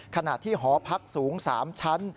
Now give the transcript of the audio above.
ขณะที่หอพักสูง๓ชั้น